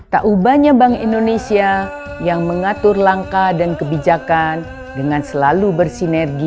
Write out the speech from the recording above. tak ubahnya berpengalaman untuk menjaga kebaikan pribadi